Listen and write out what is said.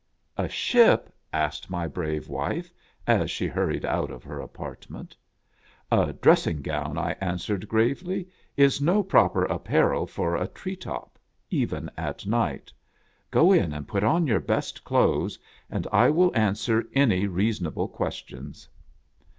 "A ship?" asked my brave wife, as she hurried out of her apartment. " A dressing gown," I answered, gravely, " is no proper apparel for a tree top, even at night. Go in and put on your best clothes, and I will answer any reasonable questions."